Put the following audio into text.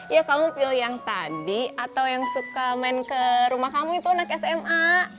ya kamu pilih yang tadi atau yang suka main ke rumah kamu itu anak sma